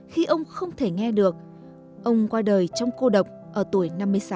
khi ông không thể nghe được ông qua đời trong cô độc ở tuổi năm mươi sáu